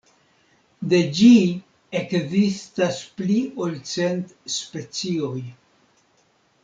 De ĝi ekzistas pli ol cent specioj.